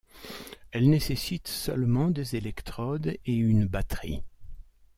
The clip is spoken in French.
Elle nécessite seulement des électrodes et une batterie.